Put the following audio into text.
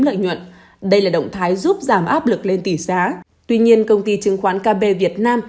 lợi nhuận đây là động thái giúp giảm áp lực lên tỷ giá tuy nhiên công ty chứng khoán kb việt nam